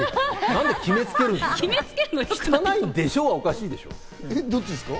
何で決め付けるんですか？